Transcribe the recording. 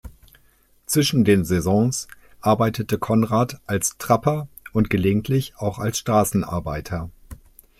Zwischen den Saisons arbeitete Konrad als Trapper und gelegentlich auch als Straßenarbeiter.